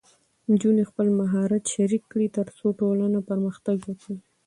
نجونې خپل مهارت شریک کړي، ترڅو ټولنه پرمختګ وکړي.